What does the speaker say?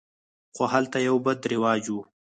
خو هلته یو بد رواج و.